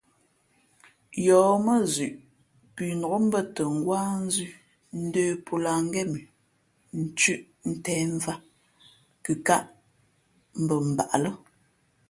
Yɔ̌ mά zʉʼ pʉnǒk mbᾱtα ngwáá nzʉ̄ ndə̄ pō lǎh ngén mʉ nthʉ̄ ntēh mvāt, kʉkāʼ mbα mbaʼ lά.